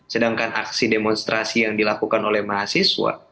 sedangkan aksi demonstrasi yang dilakukan oleh mahasiswa